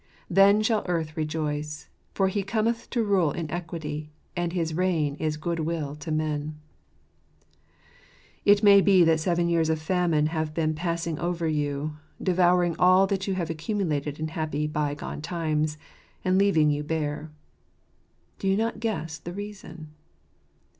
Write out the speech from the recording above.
Then shall earth rejoice; for He cometh to rule in equity, and his reign is goodwill to men ! It may be that seven years of famine have been passing over you, devouring all that you had accumulated in happy bygone times, and leaving you bare. Do you not guess the reason?